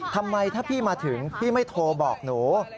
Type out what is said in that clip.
ทำไมถ้าพี่มาถึงพี่ไม่โทรบอกหนู